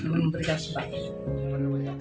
belum memberikan sebagian